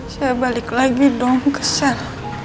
saya balik lagi ke sel